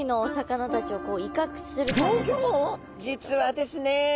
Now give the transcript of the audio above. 実はですね